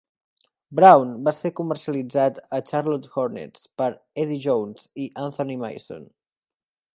Brown va ser comercialitzat a Charlotte Hornets per Eddie Jones i Anthony Mason.